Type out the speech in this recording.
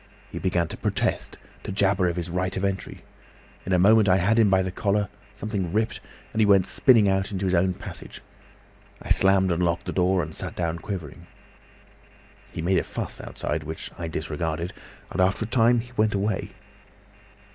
He began to protest, to jabber of his right of entry. In a moment I had him by the collar; something ripped, and he went spinning out into his own passage. I slammed and locked the door and sat down quivering. "He made a fuss outside, which I disregarded, and after a time he went away.